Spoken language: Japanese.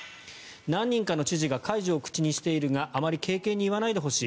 何人かの知事が解除を口にしているがあまり軽々に言わないでほしい。